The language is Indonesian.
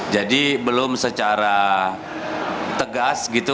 jadi belum secara tegas gitu